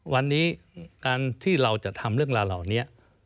วันนี้การที่เราจะทำเรื่องราวเหล่านี้